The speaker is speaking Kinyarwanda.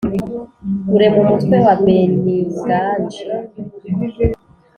Urema umutwe wa Beninganji